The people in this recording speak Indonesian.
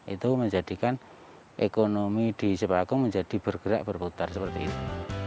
itu menjadikan ekonomi di cipagong menjadi bergerak berputar seperti itu